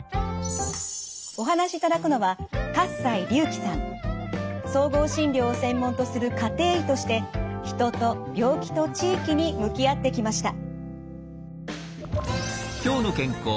お話しいただくのは総合診療を専門とする家庭医として人と病気と地域に向き合ってきました。